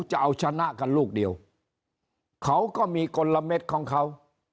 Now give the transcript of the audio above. จะเอาชนะกันลูกเดียวเขาก็มีกลมของเขา